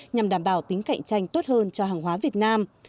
nhằm đảm bảo tính cạnh tranh tốt hơn cho hàng hóa việt nam